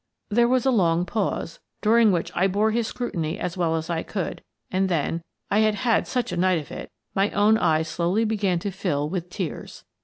There was a long pause, during which I bore his scrutiny as well as I could, and then — I had had such a night of it! — my own eyes slowly began to fill with tears.